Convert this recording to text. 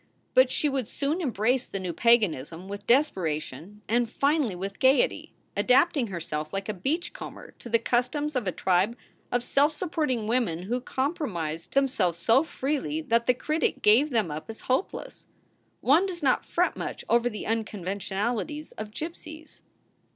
But she would soon embrace the new paganism with desperation and finally with gayety, adapting herself like a beach comber to the customs of a tribe of self supporting women who compromised themselves so freely that the critic gave them up as hopeless. One does not fret much over the ^conventionalities of gypsies.